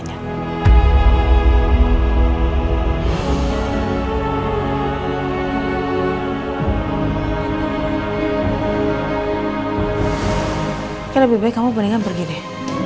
kayaknya lebih baik kamu peringat pergi deh